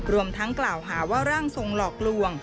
รวมทั้งกล่าวหาว่าร่างทรงหลอกลวง